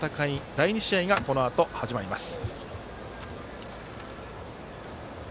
第２試合がこのあと始まります。